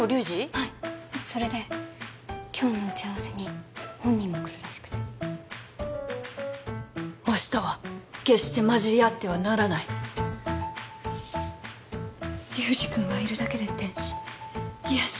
はいそれで今日の打ち合わせに本人も来るらしくて推しとは決して交じり合ってはならない流司君はいるだけで天使癒やし！